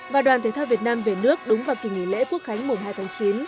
và đoàn thể thao việt nam về nước đúng vào kỳ nghỉ lễ quốc khánh mùng hai tháng chín